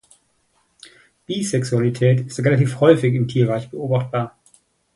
Bisexualität ist relativ häufig im Tierreich beobachtbar.